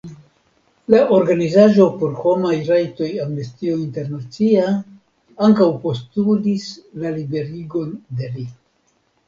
La organizaĵo por homaj rajtoj Amnestio Internacia ankaŭ postulis la liberigon de li.